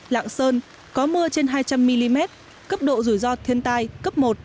lạng sơn có mưa trên hai trăm linh mm cấp độ rủi ro thiên tai cấp một